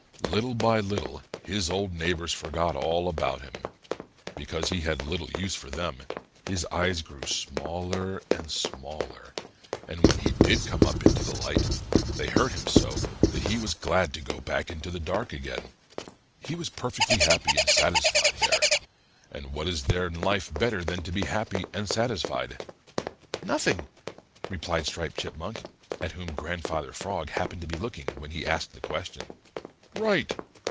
"Little by little his old neighbors forgot all about him. Because he had little use for them, his eyes grew smaller and smaller, and when he did come up into the light, they hurt him so that he was glad to go back into the dark again. He was perfectly happy and satisfied there, and what is there in life better than to be happy and satisfied?" "Nothing," replied Striped Chipmunk, at whom Grandfather Frog happened to be looking when he asked the question. "Right!"